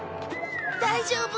大丈夫？